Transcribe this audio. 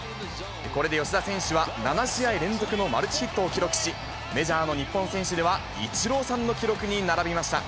これで吉田選手は７試合連続のマルチヒットを記録し、メジャーの日本選手では、イチローさんの記録に並びました。